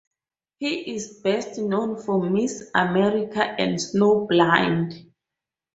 He is best known for "Miss America" and "Snowblind".